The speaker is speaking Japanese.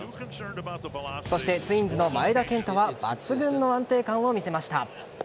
そして、ツインズの前田健太は抜群の安定感を見せました。